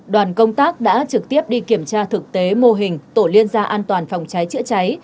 đoàn công tác đã trực tiếp đi kiểm tra thực tế mô hình tổ liên gia an toàn phòng cháy chữa cháy